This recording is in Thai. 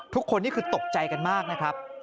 ทุกคนนี่คือตกใจกันมากนะครับ